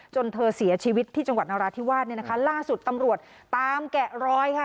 เธอเสียชีวิตที่จังหวัดนราธิวาสเนี่ยนะคะล่าสุดตำรวจตามแกะรอยค่ะ